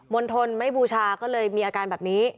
ณฑลไม่บูชาก็เลยมีอาการแบบนี้